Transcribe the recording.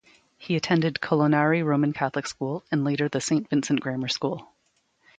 He attended Colonarie Roman Catholic School, and later the Saint Vincent Grammar School.